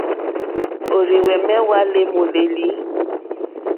Òrzìhwɛ̀mɛ́ hwá lê môlélí.